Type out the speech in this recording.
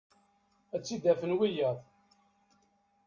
Ad tt-id-afen wiyaḍ.